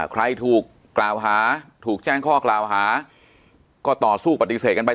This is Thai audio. ใครถูกกล่าวหาถูกแจ้งข้อกล่าวหาก็ต่อสู้ปฏิเสธกันไป